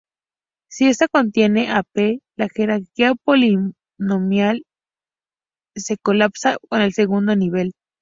Si esta contiene a P, la jerarquía polinomial se colapsa con el segundo nivel.